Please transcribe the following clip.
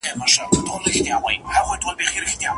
د عاجزو خلګو ملګري د مغرورو کسانو په پرتله زیات دي.